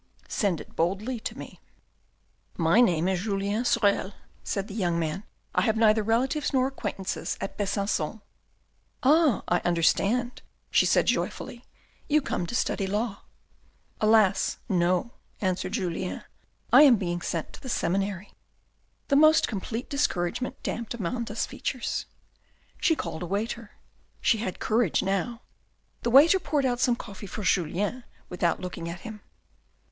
Send it boldly to me." " My name is Julien Sorel," said the young man. " I have neither relatives nor acquaintances at Besancon." " Ah, I understand," she said joyfully. " You come to study law." " Alas, no," answered Julien, " I am being sent to the Seminary." The most complete discouragement damped Amanda's features. She called a waiter. She had courage now. The waiter poured out some coffee for Julien without looking at him.